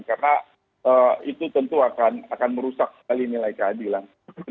karena itu tentu akan merusak sekali nilai keadilan